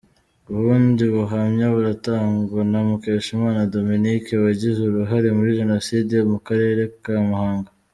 Ubundi buhamya buratangwa na Mukeshimana Dominique, wagize uruhare muri Jenoside mu Karere ka Muhanga.